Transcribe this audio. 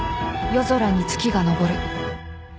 ［夜空に月が昇る］